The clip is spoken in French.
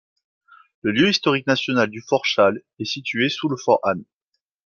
Le lieu historique national du fort Charles est situé sous le fort Anne.